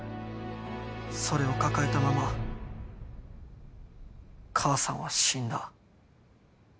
それを抱えたまま母さんは死んだ。